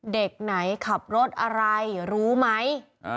เด็กไหนขับรถอะไรรู้ไหม